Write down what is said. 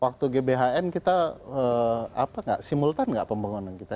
waktu gbhe kita apa gak simultan gak pembangunan kita